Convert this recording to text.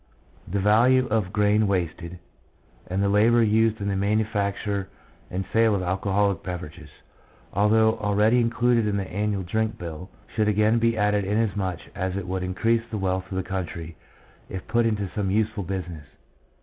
The value of grain wasted, and the labour used in the manufacture and sale of alcoholic beverages, although already included in the annual drink bill, should again be added, inasmuch as it would increase the wealth of the country if put into some useful business.